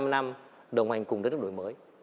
ba mươi năm đồng hành cùng đất nước đổi mới